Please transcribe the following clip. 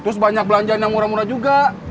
terus banyak belanjaan yang murah murah juga